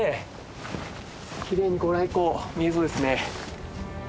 きれいにご来光見れそうですね。